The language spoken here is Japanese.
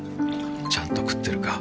ちゃんと食ってるか？